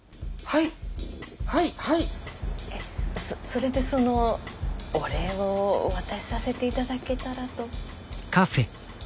それでそのお礼をお渡しさせていただけたらと。